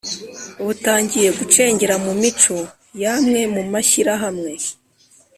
butangiye gucengera mu mico y'amwe mu mashyirahamwe